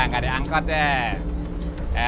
nggak ada angkot ya